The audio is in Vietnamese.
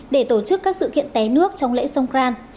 để tổ chức các sự kiện té nước trong lễ sông răn